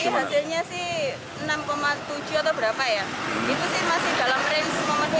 masih dalam karab memenuhi baku mutu